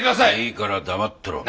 いいから黙ってろ。